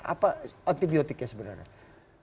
apa antibiotiknya sebenarnya